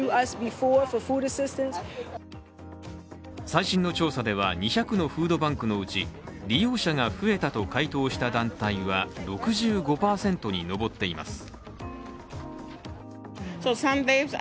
最新の調査では２００のフードバンクのうち利用者が増えたと回答した団体は６５％に上っています。